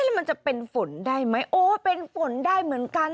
มันจะเป็นฝนได้ไหมโอ้เป็นฝนได้เหมือนกัน